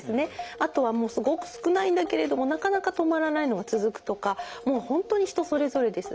あとはもうすごく少ないんだけれどもなかなか止まらないのが続くとかもう本当に人それぞれです。